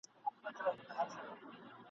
که له مرګه ځان ژغورې کوهي ته راسه ..